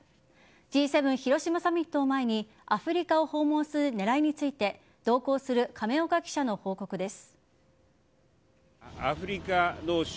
Ｇ７広島サミットを前にアフリカを訪問する狙いについて同行する亀岡記者の報告です。